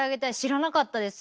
知らなかったです。